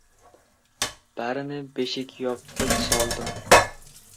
Barini beshikyopg‘ich soldim.